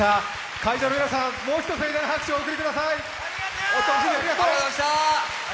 会場の皆さん、もう一度盛大な拍手をお送りください。